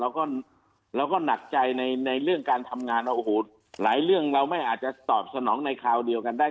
เราก็เราก็หนักใจในเรื่องการทำงานว่าโอ้โหหลายเรื่องเราไม่อาจจะตอบสนองในคราวเดียวกันได้